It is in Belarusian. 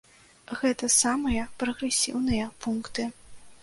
Гэта самыя прагрэсіўныя пункты.